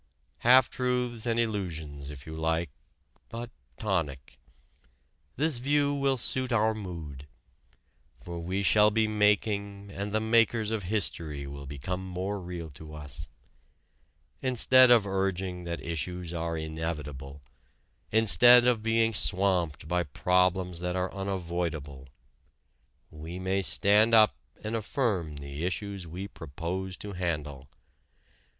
Half truths and illusions, if you like, but tonic. This view will suit our mood. For we shall be making and the makers of history will become more real to us. Instead of urging that issues are inevitable, instead of being swamped by problems that are unavoidable, we may stand up and affirm the issues we propose to handle.